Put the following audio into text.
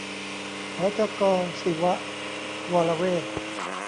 หจก.ศิวะวรเวท